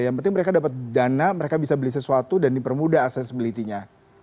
yang penting mereka dapat dana mereka bisa beli sesuatu dan dipermudah aksesibilitasnya